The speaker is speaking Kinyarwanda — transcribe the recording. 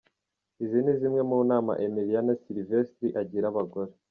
Izi ni zimwe mu nama Emiliana Silvestri agira abagore.